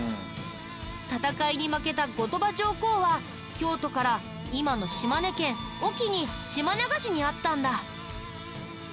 戦いに負けた後鳥羽上皇は京都から今の島根県隠岐に島流しに遭ったんだ。